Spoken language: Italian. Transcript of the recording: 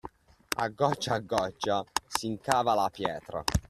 A goccia a goccia s'incava la pietra.